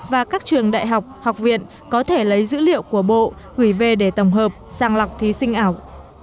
và các trường đại học học viện có thể lấy dữ liệu của bộ gửi về để tổng hợp sàng lọc thí sinh ảo